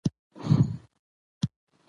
ماشومان د هېواد د روښانه راتلونکي هیله بلل کېږي